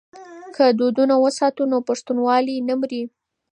که دودونه وساتو نو پښتونوالي نه مري.